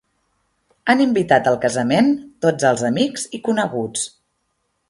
Han invitat al casament tots els amics i coneguts.